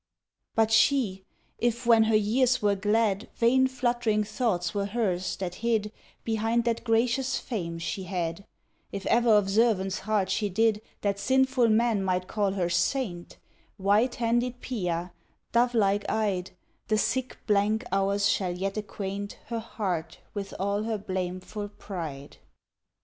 But she if when her years were glad Vain fluttering thoughts were hers, that hid Behind that gracious fame she had; If e'er observance hard she did That sinful men might call her saint, White handed Pia, dovelike eyed, The sick blank hours shall yet acquaint Her heart with all her blameful pride.